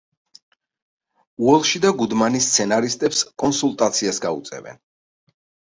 უოლში და გუდმანი სცენარისტებს კონსულტაციას გაუწევენ.